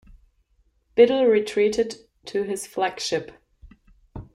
Biddle retreated to his flagship.